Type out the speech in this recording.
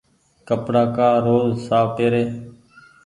ڪپڙآ ڪآ روز ساڦ پيري۔